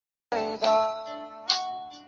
汉朝在此处设置己氏县。